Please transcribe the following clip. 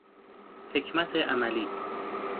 حکمت عملی